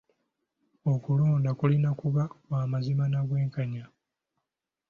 Okulonda kulina kuba kwa mazima na bwenkanya.